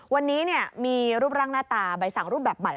วันนี้มีรูปร่างหน้าตาใบสั่งรูปแบบใหม่